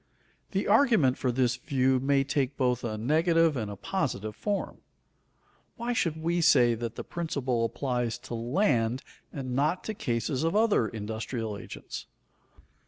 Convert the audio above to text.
The argument for this view may take both a negative and a positive form. Why should we say that the principle applies to land and not to cases of other industrial agents?